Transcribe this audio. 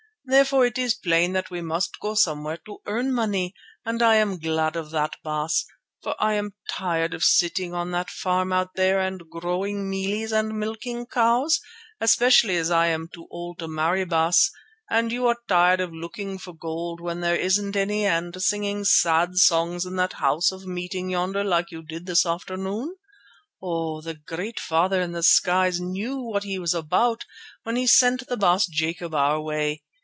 Therefore it is plain that we must go somewhere to earn money, and I am glad of that, Baas, for I am tired of sitting on that farm out there and growing mealies and milking cows, especially as I am too old to marry, Baas, as you are tired of looking for gold where there isn't any and singing sad songs in that house of meeting yonder like you did this afternoon. Oh! the Great Father in the skies knew what He was about when He sent the Baas Jacob our way.